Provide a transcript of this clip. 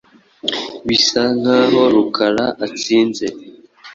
Birasa nkaho Rukara atsinze.